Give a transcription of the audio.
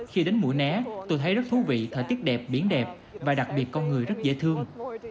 khi đến mũi né tôi thấy rất thú vị thời tiết đẹp biển đẹp và đặc biệt con người rất dễ thương